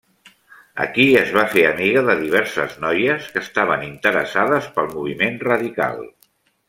Aquí es va fer amiga de diverses noies que estaven interessades pel moviment radical.